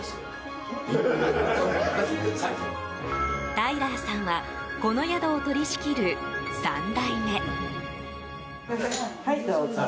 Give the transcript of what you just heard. タイラーさんはこの宿を取り仕切る３代目。